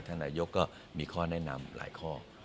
นายกก็มีข้อแนะนำหลายข้อ